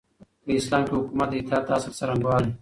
په اسلامي حکومت کي د اطاعت د اصل څرنګوالی